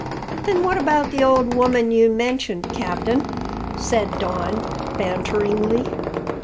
"Then what about the old woman you mentioned captain?" said Don banteringly.